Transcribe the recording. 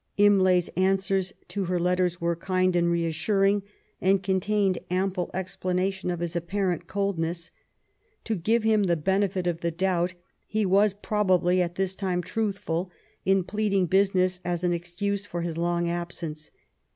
Imlay's answers to her letters were kind and re assuring^ and contained ample explanation of his ap parent coldness. To give him the benefit of the doubt^ he was probably at this time truthful in pleading business as an excuse for his long absence.